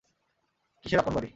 কীসের আপন বাড়ি?